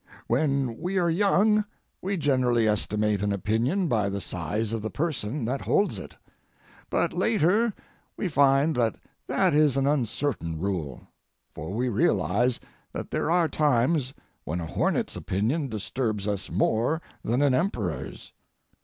When we are young we generally estimate an opinion by the size of the person that holds it, but later we find that that is an uncertain rule, for we realize that there are times when a hornet's opinion disturbs us more than an emperor's.